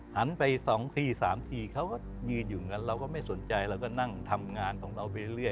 หันไปสองสี่สามสี่เขาก็ยืนอยู่เราก็ไม่สนใจเราก็นั่งทำงานของเราไปเรื่อย